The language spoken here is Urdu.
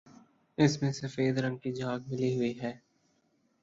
اس میں سفید رنگ کی جھاگ ملی ہوئی ہے